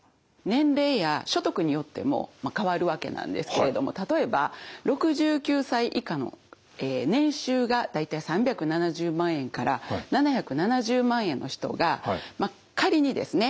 年齢や所得によっても変わるわけなんですけれども例えば６９歳以下の年収が大体３７０万円から７７０万円の人がまあ仮にですね